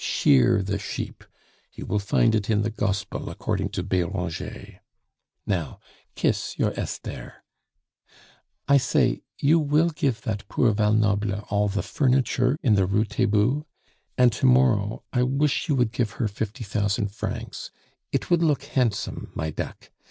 Shear the sheep! you will find it in the gospel according to Beranger. "Now, kiss your Esther. I say, you will give that poor Val Noble all the furniture in the Rue Taitbout? And to morrow I wish you would give her fifty thousand francs it would look handsome, my duck.